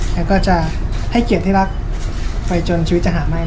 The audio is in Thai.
แล้วก็จะให้เกียรติที่รักไปจนชีวิตจะหาไม่